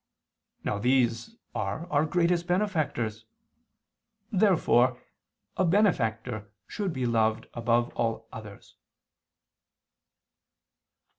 Now these are our greatest benefactors. Therefore a benefactor should be loved above all others.